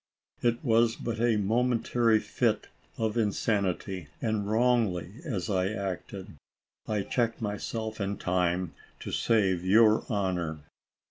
It was but a mo mentary fit of insanity, and, wrongfully as I acted, I checked myself in time to save your honor.